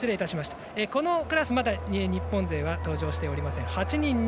このクラス日本勢は登場していません。